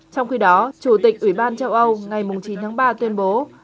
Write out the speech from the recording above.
trong khi đó chủ tịch ủy ban châu âu ngày chín tháng ba tuyên bố